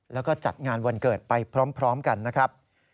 แล้วก็จัดงานวันเกิดไปพร้อมกันนะครับ